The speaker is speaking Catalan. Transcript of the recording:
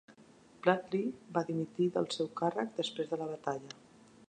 Bradley va dimitir del seu càrrec després de la batalla.